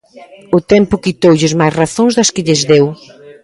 O tempo quitoulles máis razóns das que lles deu.